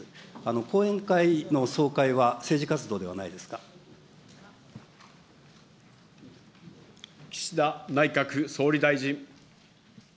後援会の総会は政治活動ではない岸田内閣総理大臣。